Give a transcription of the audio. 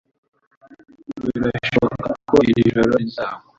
Birashoboka ko iri joro rizagwa.